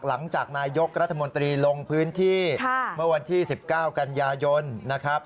หลังจากนายกรัฐมนตรีลงพื้นที่เมื่อวันที่๑๙กันยายนนะครับ